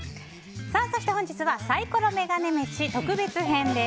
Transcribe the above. そして本日はサイコロメガネ飯特別編です。